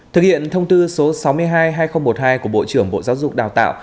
thực hiện thông tư số sáu mươi hai hai nghìn một mươi hai của bộ trưởng bộ giáo dục đào tạo